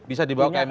bisa dibawa ke mta